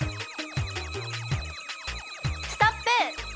ストップ！